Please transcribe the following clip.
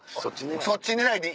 そっち狙いで。